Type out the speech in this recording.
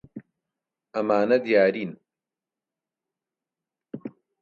ئەمانە دیارین.